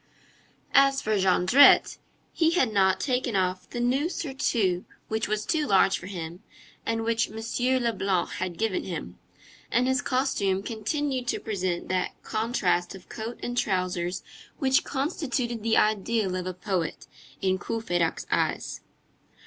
As for Jondrette, he had not taken off the new surtout, which was too large for him, and which M. Leblanc had given him, and his costume continued to present that contrast of coat and trousers which constituted the ideal of a poet in Courfeyrac's eyes.